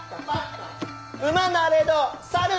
馬なれど猿っ